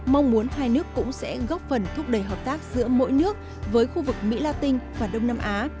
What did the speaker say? mong muốn hai nước cũng sẽ góp phần thúc đẩy hợp tác giữa mỗi nước với khu vực mỹ la tinh và đông nam á